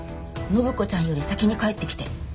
暢子ちゃんより先に帰ってきて。